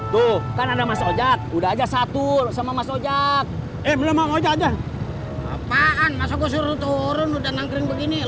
tuh kan ada mas ojak udah aja satu sama mas ojak eh belum aja aja apaan masa gue suruh turun begini